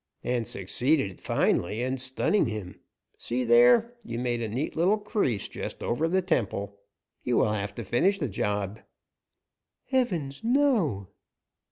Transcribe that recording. "And succeeded finely in stunning him. See there, you made a neat little crease just over the temple. You will have to finish the job." "Heavens, no!"